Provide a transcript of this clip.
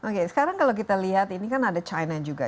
oke sekarang kalau kita lihat ini kan ada china juga